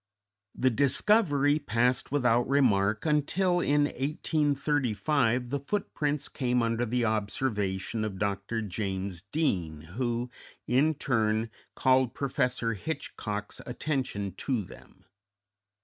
The discovery passed without remark until in 1835 the footprints came under the observation of Dr. James Deane, who, in turn, called Professor Hitchcock's attention to them.